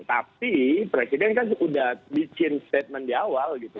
tapi presiden kan sudah bikin statement di awal gitu